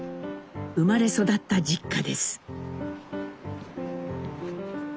生まれ育った実家です。